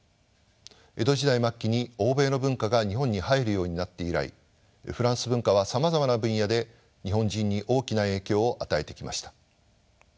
江戸時代末期に欧米の文化が日本に入るようになって以来フランス文化はさまざまな分野で日本人に大きな影響を与えてきました。